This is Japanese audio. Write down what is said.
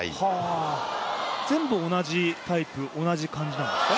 全部同じタイプ同じ感じなんですか。